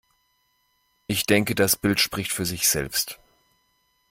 Ich denke, das Bild spricht für sich selbst.